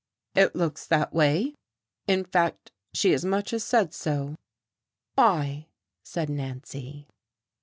"It looks that way. In fact, she as much as said so." "Why?" said Nancy.